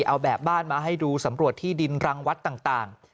เอาแบบบ้านมาให้ดูสำรวจที่ดินรังวัดต่าง